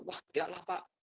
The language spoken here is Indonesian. wah tidaklah pak